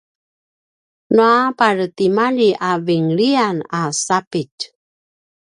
nua maretimalji a vinlian a sapitj